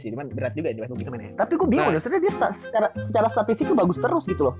sebenernya dia secara statistiknya bagus terus gitu loh